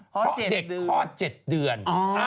เพราะเด็กคลอด๗เดือน